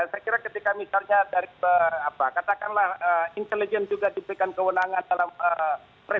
saya kira ketika misalnya dari katakanlah intelijen juga diberikan kewenangan dalam proses